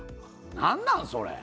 何なん、それ。